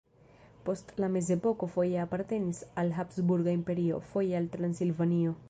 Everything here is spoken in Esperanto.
Post la mezepoko foje apartenis al Habsburga Imperio, foje al Transilvanio.